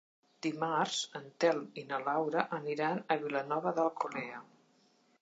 Dimarts en Telm i na Laura aniran a Vilanova d'Alcolea.